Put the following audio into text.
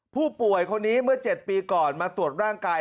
ผู้ป่วยคนนี้เมื่อ๗ปีก่อนมาตรวจร่างกาย